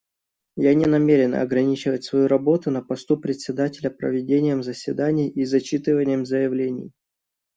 Я не намерен ограничивать свою работу на посту Председателя проведением заседаний и зачитыванием заявлений.